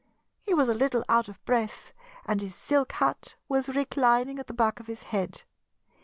He was a little out of breath and his silk hat was reclining at the back of his head.